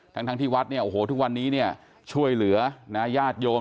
ทั้งที่วัดทุกวันนี้ช่วยเหลือญาติโยม